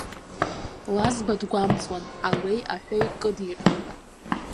Лазба дгәамҵуан, алеи аҳәеи кыдиҟьон.